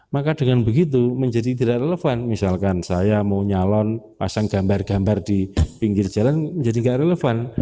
maka dengan begitu menjadi tidak relevan misalkan saya mau nyalon pasang gambar gambar di pinggir jalan menjadi tidak relevan